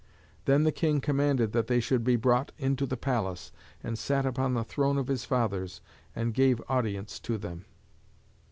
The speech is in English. Then the king commanded that they should be brought into the palace, and sat upon the throne of his fathers, and gave audience to them.